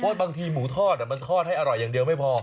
เพราะบางทีหมูทอดมันทอดให้อร่อยอย่างเดียวไม่พอ